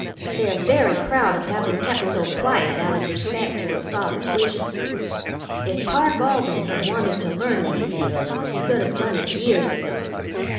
They are very proud of having kept so quiet out of respect to her father's wishes. If Parke Alden had wanted to learn anything, he could have done it years ago."